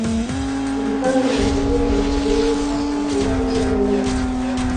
Mpango na tabia ya Mturuki haswa kizazi cha zamani